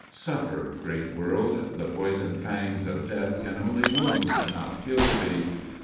Suffer, great world; the poison fangs of Death Can only wound, not kill thee....